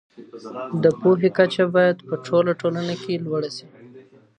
د پوهي کچه بايد په ټوله ټولنه کي لوړه سي.